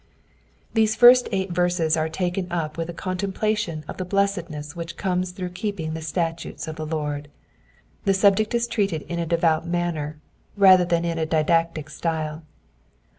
These first eight verses are taken up xcUh a contemplation of the blessedness ichich comes throagh keeping the statutes of the Lord. The subject is treated in a devout manner rather than in a didactic style.